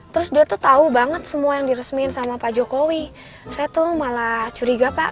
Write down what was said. terus dia tuh tau banget semua yang diresmiin sama pak jokowi saya tuh malah curiga pak